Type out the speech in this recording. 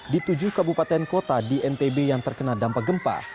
di tujuh kabupaten kota di ntb yang terkena dampak gempa